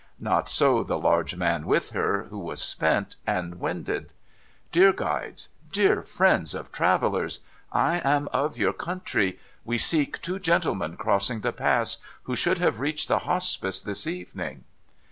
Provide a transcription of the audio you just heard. Not so the large man with her, who was spent and winded. ' Dear guides, dear friends of travellers ! I am of your country. We seek two gentlemen crossing the Pass, who should have reached the Hospice this evening.'